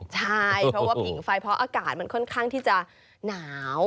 ใช่เพราะว่าผิงไฟเพราะอากาศมันค่อนข้างที่จะหนาว